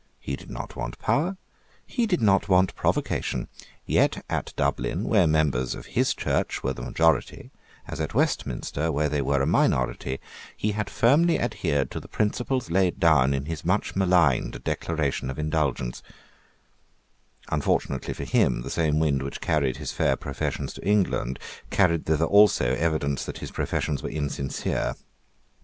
He did not want power. He did not want provocation. Yet at Dublin, where the members of his Church were the majority, as at Westminister, where they were a minority, he had firmly adhered to the principles laid down in his much maligned Declaration of Indulgence, Unfortunately for him, the same wind which carried his fair professions to England carried thither also evidence that his professions were insincere.